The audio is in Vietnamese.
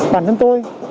bản thân tôi